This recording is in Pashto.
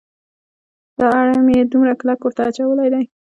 دا اړم یې دومره کلک ورته اچولی دی.